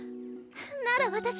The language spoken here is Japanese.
なら私